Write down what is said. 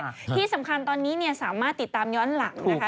ที่สำคัญตอนนี้เนี่ยสามารถติดตามย้อนหลังนะคะ